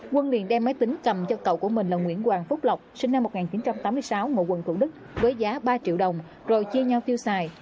quân liền đem máy tính cầm cho cậu của mình là nguyễn hoàng phúc lộc sinh năm một nghìn chín trăm tám mươi sáu ngụ quận thủ đức với giá ba triệu đồng rồi chia nhau tiêu xài